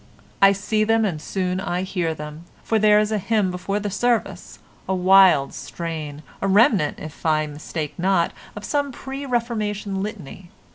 I see them and soon I hear them, for there is a hymn before the service, a wild strain, a remnant, if I mistake not, of some pre Reformation litany.